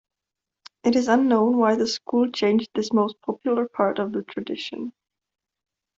It is unknown why the school changed this most popular part of the tradition.